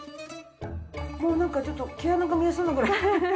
もうなんかちょっと毛穴が見えそうなぐらい。